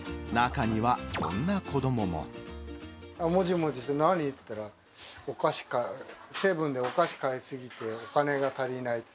もじもじしてて、何？って言ったら、お菓子、セブンでお菓子買いすぎて、お金が足りないって。